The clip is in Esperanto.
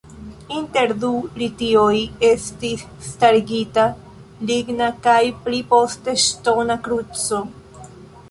Inter du tilioj estis starigita ligna kaj pli poste ŝtona kruco.